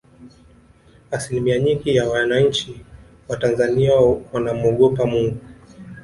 asilimia nyingi ya wananchi wa tanzania wanamuogopa mungu